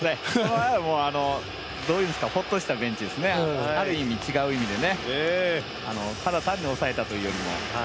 ほっとしたベンチですね、ある意味違う意味でね、ただ単に抑えたというよりも。